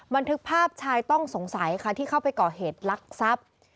บันทึกภาพชายต้องสงสัยค่ะที่เข้าไปก่อเหตุลักษัพ